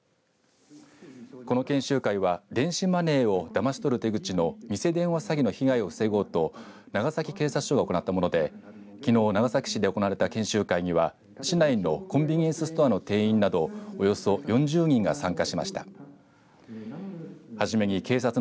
この研修会は電子マネーをだまし取る手口の偽電話被害を防ごうと長崎警察署が行ったものできのう長崎市で行われた研修会には市内のコンビニエンスストアの店員などおよそ４０人が参加しました。